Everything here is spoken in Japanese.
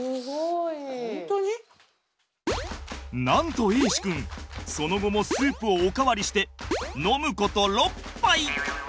なんと瑛志くんその後もスープをおかわりして飲むこと６杯！